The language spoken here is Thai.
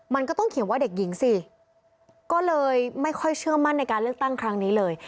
มันก็ต้องเขียนว่าเด็กหญิงสิก็เลยไม่ค่อยเชื่อมั่นในการเลือกตั้งครั้งนี้เลย